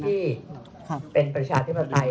ที่เป็นประชาธิปไตย